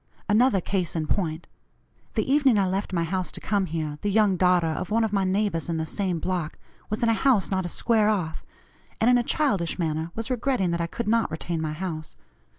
Another case in point: The evening I left my house to come here, the young daughter of one of my neighbors in the same block, was in a house not a square off, and in a childish manner was regretting that I could not retain my house.